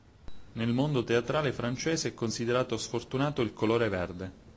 Nel mondo teatrale francese è considerato sfortunato il colore verde.